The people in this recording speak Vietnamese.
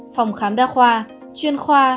phòng khám đa khoa chuyên khoa